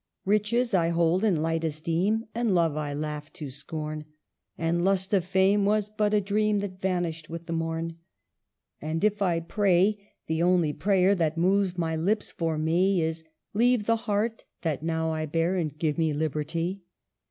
" Riches I hold in light esteem ; And Love I laugh to scorn ; And lust of fame was but a dream That vanished with the morn :" And if I pray, the only prayer That moves my lips for me Is, ' Leave the heart that now I bear, And give me liberty